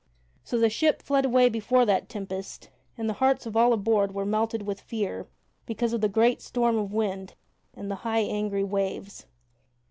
So the ship fled away before that tempest, and the hearts of all aboard were melted with fear because of the great storm of wind and the high angry waves.